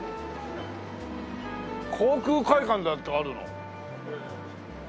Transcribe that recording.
航空会館なんてあるの！？